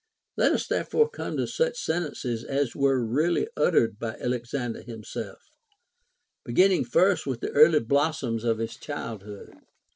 Let us therefore come to such sentences as were really uttered by Alexander him self, beginning first with the early blossoms of his childhood.